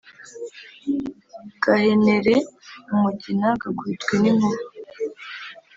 gahenere umugina; gakubitwe n'inkuba;